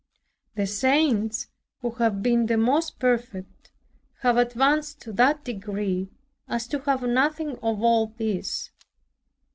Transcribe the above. The saints who have been the most perfect have advanced to that degree, as to have nothing of all this.